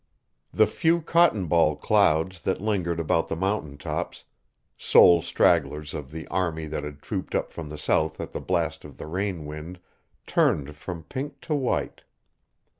The few cotton ball clouds that lingered about the mountain tops, sole stragglers of the army that had trooped up from the south at the blast of the rain wind, turned from pink to white.